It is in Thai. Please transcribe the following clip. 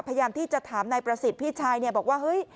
พยายามจะถามนายประสิทธิ์พี่ชายบอกว่า